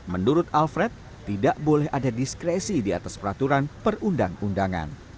menurut alfred tidak boleh ada diskresi di atas peraturan perundang undangan